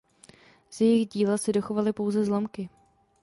Z jejich díla se dochovaly pouze zlomky.